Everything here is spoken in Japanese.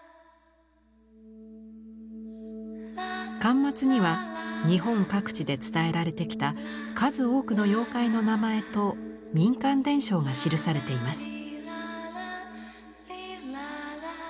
巻末には日本各地で伝えられてきた数多くの妖怪の名前と民間伝承が記されています。